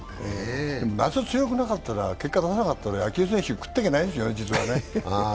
夏強くなかったら、結果出せなかったら野球選手食っていけないですよね、実はね。